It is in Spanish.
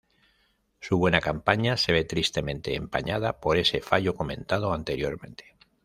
Su buena campaña se ve tristemente empañada por ese fallo comentado anteriormente.